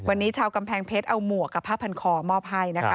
วันนี้ชาวกำแพงเพชรเอาหมวกกับผ้าพันคอมอบให้นะคะ